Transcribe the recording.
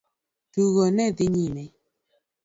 Tugo ne odhi nyime.